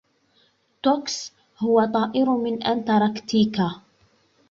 تُكس هو طائر من أنتاركتيكا.